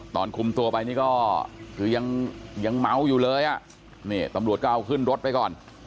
ตอนคุมตัวไปนี่ก็คือยังเมาอยู่เลยอ่ะนี่ตำรวจก็เอาขึ้นรถไปก่อน